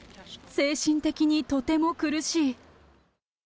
精神的にとても苦しい。